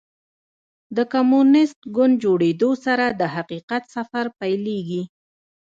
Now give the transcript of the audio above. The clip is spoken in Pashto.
د کمونیسټ ګوند جوړېدو سره د حقیقت سفر پیلېږي.